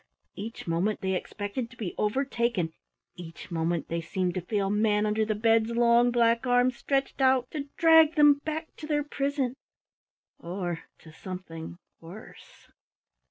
Each moment they expected to be overtaken, each moment they seemed to feel Manunderthebed's long black arm stretched out to drag them back to their prison or to something worse.